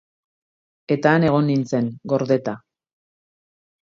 Eta han egon nintzen, gordeta.